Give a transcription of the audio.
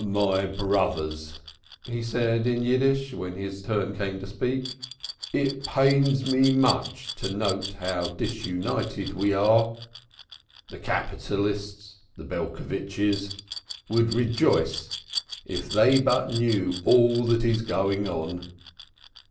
"My brothers," he said in Yiddish, when his turn came to speak. "It pains me much to note how disunited we are. The capitalists, the Belcovitches, would rejoice if they but knew all that is going on.